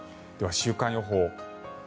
では、週間予報。